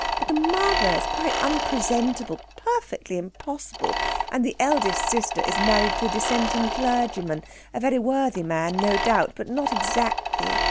But the mother is quite unpresentable, perfectly impossible. And the eldest sister is married to a Dissenting clergyman a very worthy man, no doubt, but not exactly.